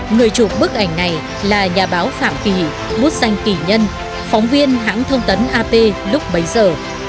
người chụp bức ảnh này là nhà báo phạm kỳ bút danh kỳ nhân phóng viên hãng thông tấn ap lúc bấy giờ